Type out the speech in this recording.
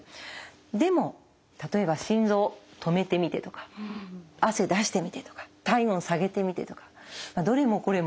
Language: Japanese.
でも例えば心臓止めてみてとか汗出してみてとか体温下げてみてとかどれもこれも。